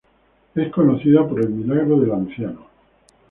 Es conocida por el Milagro de Lanciano.